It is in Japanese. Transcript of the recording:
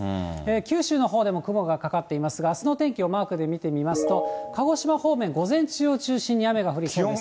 九州のほうでも雲がかかっていますがあすの天気をマークで見てみますと、鹿児島方面、午前中を中心に雨が降りそうです。